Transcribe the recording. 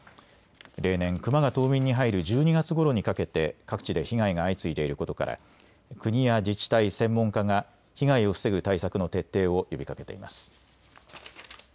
例年、クマが冬眠に入る１２月ごろにかけて各地で被害が相次いでいることから国や自治体、専門家が被害を防ぐ対策の徹底を呼びかけています。